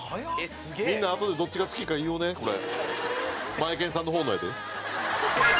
マエケンさんの方のやで。